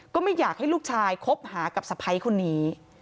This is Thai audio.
ก็ไม่อยากให้ลูกชายคบหากับสะพ้ายคนนี้